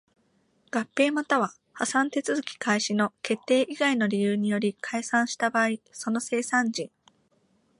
合併又は破産手続開始の決定以外の理由により解散した場合その清算人